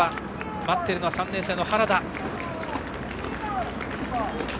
待っているのは３年生の原田。